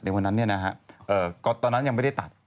ในวันนั้นเนี้ยนะฮะก๊อตตะนั้นยังไม่ได้ตัด